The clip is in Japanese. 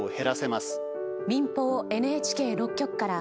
民放ＮＨＫ６局から。